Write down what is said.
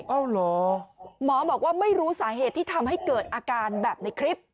หมอบอกว่าไม่รู้สาเหตุที่ทำให้เกิดอาการแบบในคลิป